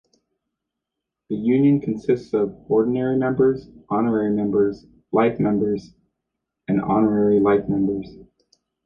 The Union consists of Ordinary Members, Honorary Members, Life Members and Honorary Life Members.